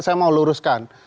saya mau luruskan